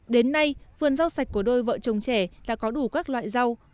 đến nay vườn rau sạch của đôi vợ chồng trẻ đã có đủ các loại rau